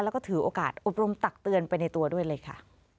แล้วก็ถือโอกาสอบรมตักเตือนไปในตัวด้วยเลยค่ะ